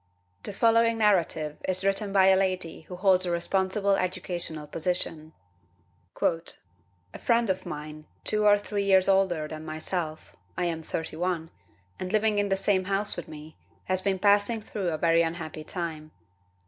The following narrative is written by a lady who holds a responsible educational position: "A friend of mine, two or three years older than myself (I am 31), and living in the same house with me, has been passing through a very unhappy time.